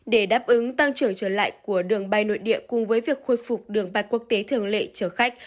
để đáp ứng tăng trưởng trở lại của đường bay nội địa cùng với việc khôi phục đường bay quốc tế thường lệ chở khách